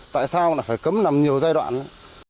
tại sao lại phải cấm làm nhiều giai đoạn nữa